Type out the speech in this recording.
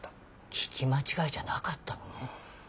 聞き間違えじゃなかったのね。